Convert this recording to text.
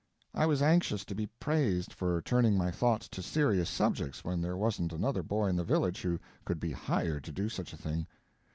I was anxious to be praised for turning my thoughts to serious subjects when there wasn't another boy in the village who could be hired to do such a thing.